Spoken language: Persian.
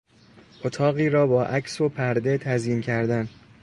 اتاقی را با عکس و پرده تزیین کردن